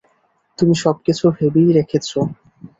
তুমি সবকিছু ভেবেই রেখেছো।